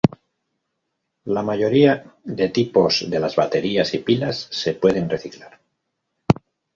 La mayoría de tipos de las baterías y pilas se pueden reciclar.